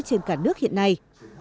trên cả nước hiện nay